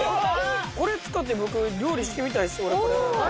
これ使って、僕、料理してみたいです。